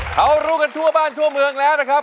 เขารู้กันทั่วบ้านทั่วเมืองแล้วนะครับ